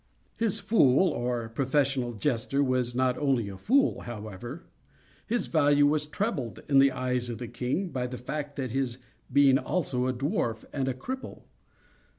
His fool, or professional jester, was not only a fool, however. His value was trebled in the eyes of the king, by the fact of his being also a dwarf and a cripple.